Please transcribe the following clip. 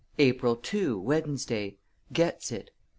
April 2, Wednesday Gets it.